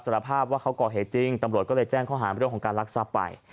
สารภาพว่าเขาก่อเหตุจริงตำรวจก็เลยแจ้งข้อหาเรื่องของการรักทรัพย์ไป